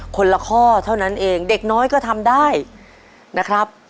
คนละข้อเท่านั้นเองเด็กน้อยก็ทำได้นะครับ